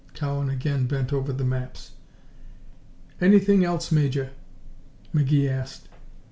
Cowan again bent over the maps. "Anything else, Major?" McGee asked.